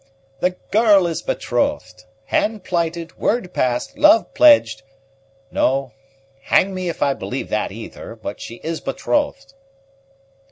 "The girl is betrothed. Hand plighted, word passed, love pledged, no, hang me if I believe that either; but she is betrothed."